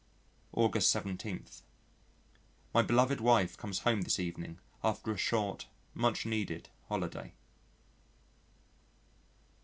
August 17. My beloved wife comes home this evening after a short, much needed holiday.